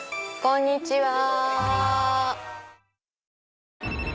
こんにちは。